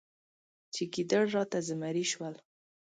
چې ګیدړ راته زمری شول.